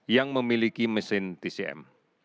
yang memiliki mesin tcm